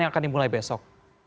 yang akan dimulai besok